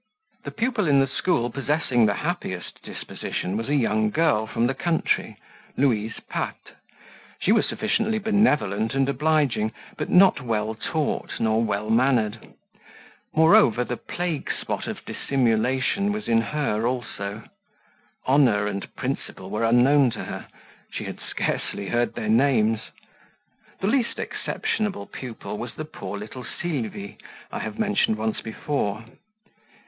The pupil in the school possessing the happiest disposition was a young girl from the country, Louise Path; she was sufficiently benevolent and obliging, but not well taught nor well mannered; moreover, the plague spot of dissimulation was in her also; honour and principle were unknown to her, she had scarcely heard their names. The least exceptionable pupil was the poor little Sylvie I have mentioned once before.